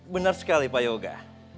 benar sekali pak yoga